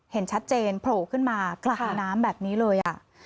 เห็นชัดเจนโผล่ขึ้นมากลางน้ำแบบนี้เลย